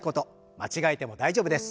間違えても大丈夫です。